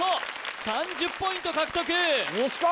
３０ポイント獲得西高！